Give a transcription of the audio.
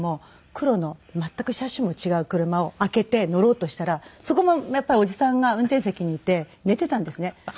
黒の全く車種も違う車を開けて乗ろうとしたらそこもやっぱりおじさんが運転席にいて寝ていたんですね。